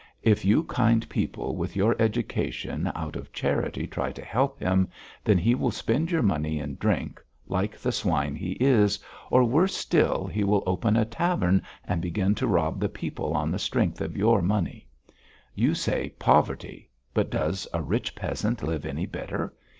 If you kind people, with your education, out of charity try to help him, then he will spend your money in drink, like the swine he is, or worse still, he will open a tavern and begin to rob the people on the strength of your money. You say poverty. But does a rich peasant live any better?